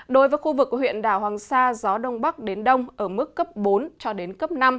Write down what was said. đối với khu vực huyện đảo hoàng sa gió đông bắc đến đông ở mức cấp bốn cho đến cấp năm